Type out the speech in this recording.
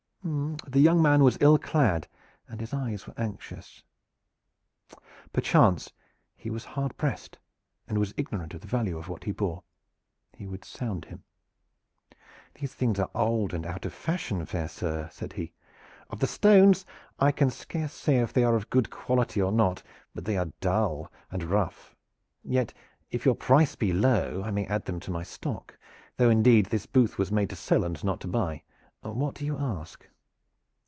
The young man was ill clad, and his eyes were anxious. Perchance he was hard pressed and was ignorant of the value of what he bore. He would sound him. "These things are old and out of fashion, fair sir," said he. "Of the stones I can scarce say if they are of good quality or not, but they are dull and rough. Yet, if your price be low I may add them to my stock, though indeed this booth was made to sell and not to buy. What do you ask?"